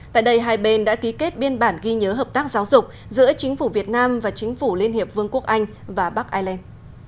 tại đây hai bên đã ký kết biên bản ghi nhớ hợp tác giáo dục giữa chính phủ việt nam và chính phủ liên hiệp vương quốc anh và bắc ireland